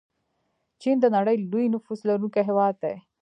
چین د نړۍ لوی نفوس لرونکی هیواد دی.